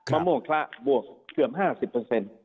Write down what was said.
มะม่วงคละบวกเกือบ๕๐เปอร์เซ็นต์